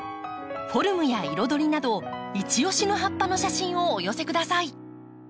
フォルムや彩りなどいち押しの葉っぱの写真をお寄せください。